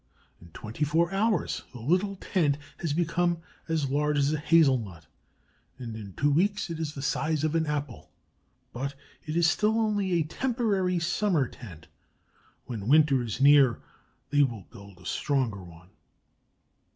In twenty four hours the little tent has become as large as a hazel nut, and in two weeks it is the size of an apple. But it is still only a temporary summer tent. When winter is near, they will build a stronger one.